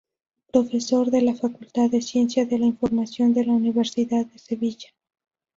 Profesor en la Facultad de Ciencias de la Información de la Universidad de Sevilla.